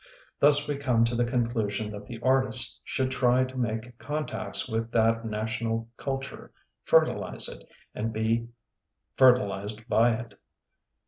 Thus we come to the conclusion that the artist should try to make contacts with that na tional culture, fertilize it, and be fer tilized by it.